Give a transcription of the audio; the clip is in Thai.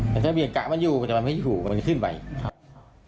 แต่ถ้าเรียนกละมันอยู่แต่มันไม่อยู่มันเข้าไป